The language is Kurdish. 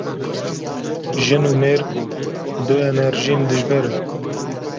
Jin û mêr, du enerjiyên dijber in